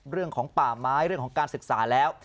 เรื่องของป่าไม้เรื่องของการศึกษาแล้ว